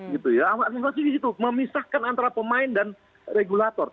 gitu ya amanat reformasi gitu memisahkan antara pemain dan regulator